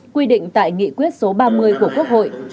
quy định tại nghị quyết số ba mươi của quốc hội